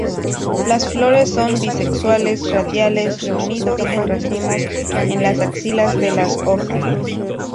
Las flores son bisexuales, radiales, reunidos en racimos en las axilas de las hojas.